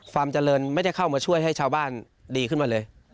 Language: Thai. ความเจริญไม่ได้เข้ามาช่วยให้ชาวบ้านดีขึ้นมาเลย